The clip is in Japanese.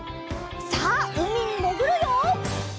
さあうみにもぐるよ！